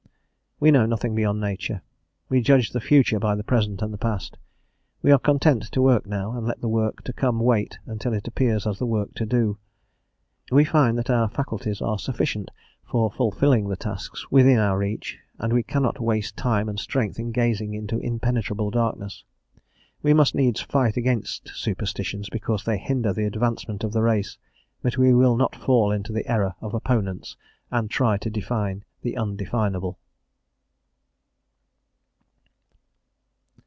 We know nothing beyond Nature; we judge of the future by the present and the past; we are content to work now, and let the work to come wait until it appears as the work to do; we find that our faculties are sufficient for fulfilling the tasks within our reach, and we cannot waste time and strength in gazing into impenetrable darkness. We must needs fight against superstitions, because they hinder the advancement of the race, but we will not fall into the error of opponents and try to define the Undefinable.